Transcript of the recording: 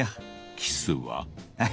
キスは？え？